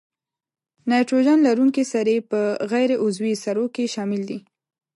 نایتروجن لرونکي سرې په غیر عضوي سرو کې شامل دي.